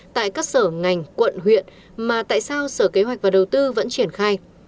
tại các sở ngành quận huyện mà tại sao sở kế hoạch và đầu tư vẫn triển khai